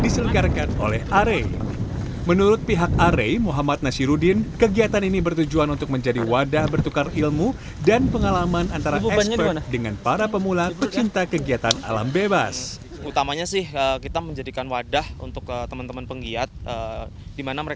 selama empat hari menjalani pelatihan